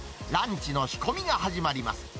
ランチの仕込みが始まります。